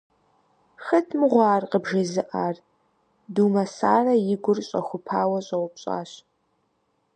Хэт мыгъуэ ар къыбжезыӀар? – Думэсарэ и гур щӀэхупауэ щӀэупщӀащ.